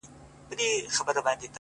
په يوه جـادو دي زمـــوږ زړونه خپل كړي _